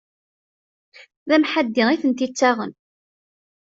D amḥaddi i tent-ittaɣen.